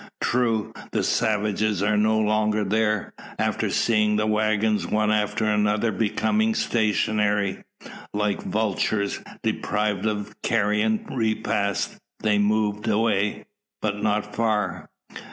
True, the savages are no longer there. After seeing the waggons one after another becoming stationary, like vultures deprived of a carrion repast, they moved away. But not far.